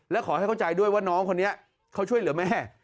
และขอให้เข้าใจด้วยว่าน้องคนนี้เขาช่วยเหลือแม่